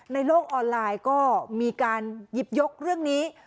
ในโลกออนไลน์ก็มีการหยิบยกเรื่องนี้